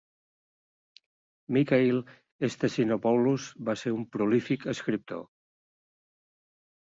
Michail Stasinopoulos va ser un prolífic escriptor.